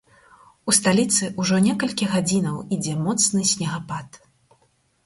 У сталіцы ўжо некалькі гадзінаў ідзе моцны снегапад.